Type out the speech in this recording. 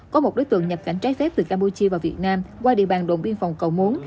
có một đối tượng nhập cảnh trái phép từ campuchia vào việt nam qua địa bàn đồn biên phòng cầu muốn